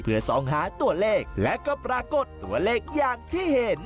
เพื่อส่องหาตัวเลขและก็ปรากฏตัวเลขอย่างที่เห็น